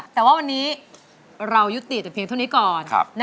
แต่ว่าวันนี้เรายุติแต่เพียงเท่านี้ก่อน